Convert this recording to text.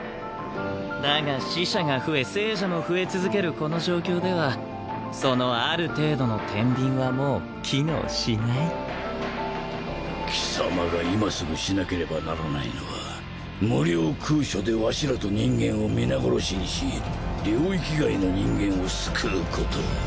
だが死者が増え生者も増え続けるこの状況では貴様が今すぐしなければならないのは「無量空処」でわしらと人間を皆殺しにし領域外の人間を救うこと。